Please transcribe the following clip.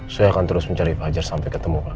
saya akan terus mencari fajar sampai ketemu pak